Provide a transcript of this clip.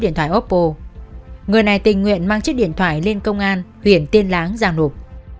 điện thoại oppo người này tình nguyện mang chiếc điện thoại lên công an huyện tiên láng giang lục